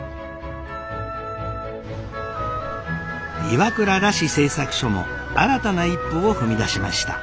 岩倉螺子製作所も新たな一歩を踏み出しました。